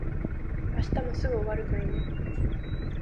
明日もすぐ終わるからね。